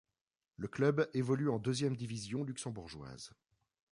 Le club évolue en deuxième division luxembourgeoise.